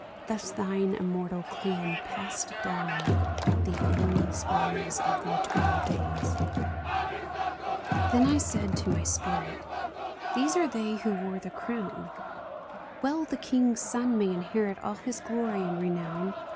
Thus thine immortal clan Passed down the endless ways Of the eternal days ! Then said I to my spirit :*' These are they who wore the crown ; Well the king's sons may inherit All his glory and renown.